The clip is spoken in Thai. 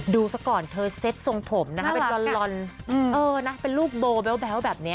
สักก่อนเธอเซ็ตทรงผมนะคะเป็นลอนเป็นลูกโบแบ๊วแบบนี้